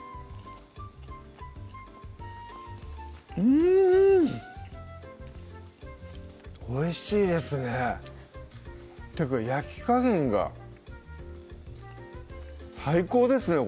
うんおいしいですねっていうか焼き加減が最高ですね